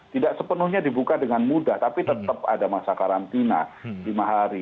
tidak sepenuhnya dibuka dengan mudah tapi tetap ada masa karantina lima hari